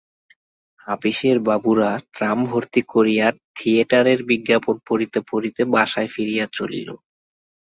আপিসের বাবুরা ট্র্যাম ভরতি করিয়া থিয়েটারের বিজ্ঞাপন পড়িতে পড়িতে বাসায় ফিরিয়া চলিল ।